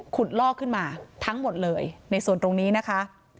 ลอกขึ้นมาทั้งหมดเลยในส่วนตรงนี้นะคะ